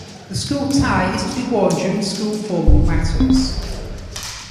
The school tie is to be worn during school formal matters.